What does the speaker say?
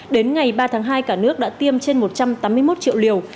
đến ngày ba tháng hai cả nước đã tiêm trên một trăm tám mươi một triệu liều